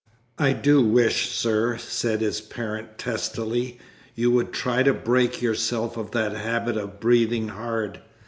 "I do wish, sir," said his parent testily, "you would try to break yourself of that habit of breathing hard.